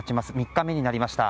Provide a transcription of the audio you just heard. ３日目になりました。